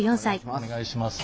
お願いします。